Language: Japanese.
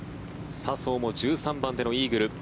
笹生も１３番でのイーグル。